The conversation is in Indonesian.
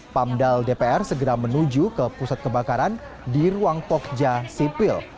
pamdal dpr segera menuju ke pusat kebakaran di ruang pokja sipil